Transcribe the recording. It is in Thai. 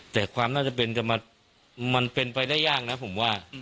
แต่ความน่าจะเป็นไปได้ยากนะผมว่า